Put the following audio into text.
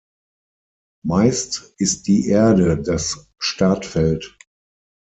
Meist ist die "Erde" das Startfeld.